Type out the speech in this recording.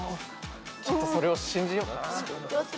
ちょっとそれを信じようかな。